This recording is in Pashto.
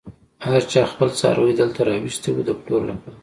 هر چا خپل څاری دلته راوستی و د پلور لپاره.